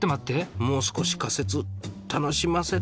もう少し仮説楽しませて。